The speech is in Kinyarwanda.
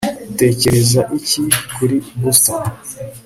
utekereza iki kuri boston